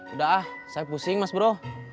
udah ah saya pusing mas bro